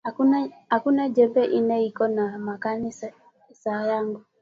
Akuna jembe ile iko na makari sa yangu